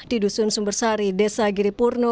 di dusun sumbersari desa giripurno